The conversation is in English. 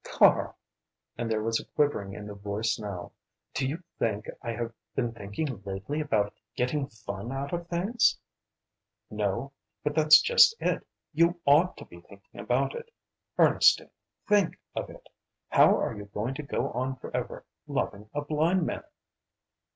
"Karl," and there was a quivering in the voice now "do you think I have been thinking lately about 'getting fun out of things'?" "No, but that's just it! You ought to be thinking about it! Ernestine think of it! How are you going to go on forever loving a blind man?"